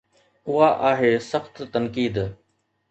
اها آهي سخت تنقيد.